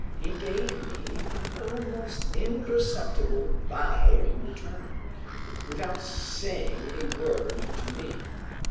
He gave me an almost imperceptible bow in return, without saying a word to me.